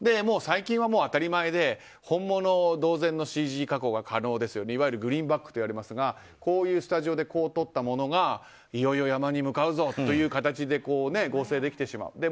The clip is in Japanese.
最近は当たり前で本物同前のＣＧ加工が可能ですよといわゆるグリーンバックといわれますがスタジオで撮ったものがいよいよ山に向かうぞという形に合成できてしまう。